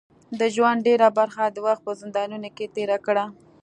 د ژوند ډیره برخه د وخت په زندانونو کې تېره کړه.